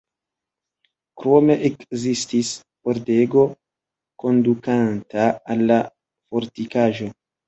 Krome ekzistis pordego kondukanta al la fortikaĵo.